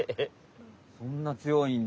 そんな強いんだ。